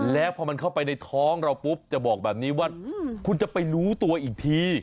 แล้วพอมันเข้าไปในท้องเราปุ๊บจะบอกแบบนี้ว่าคุณจะไปรู้ตัวอีกที